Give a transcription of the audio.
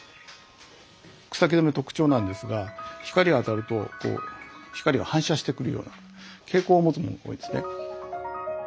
草木染の特徴なんですが光が当たるとこう光が反射してくるような蛍光を持つものが多いんですね。